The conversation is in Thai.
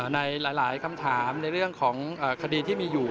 ในหลายคำถามในเรื่องของคดีที่มีอยู่